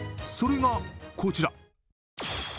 それがこちら。